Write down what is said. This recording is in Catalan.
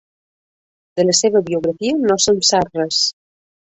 De la seva biografia no se'n sap res.